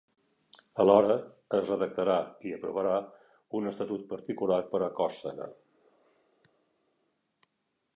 Alhora, es redactarà i aprovarà un estatut particular per a Còrsega.